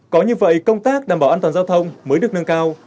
có như vậy công tác đảm bảo an toàn giao thông mới được nâng cao